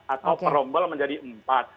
atau perombal menjadi empat